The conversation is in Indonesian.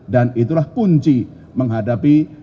dan itulah kunci menghadapi